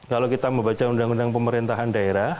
kalau kita membaca undang undang pemerintahan daerah